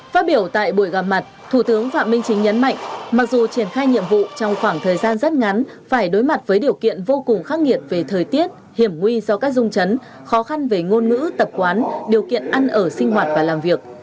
phát biểu tại buổi gặp mặt thủ tướng phạm minh chính nhấn mạnh mặc dù triển khai nhiệm vụ trong khoảng thời gian rất ngắn phải đối mặt với điều kiện vô cùng khắc nghiệt về thời tiết hiểm nguy do các rung chấn khó khăn về ngôn ngữ tập quán điều kiện ăn ở sinh hoạt và làm việc